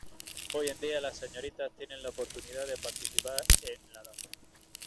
Hoy en día las señoritas tienen la oportunidad de participar en la danza.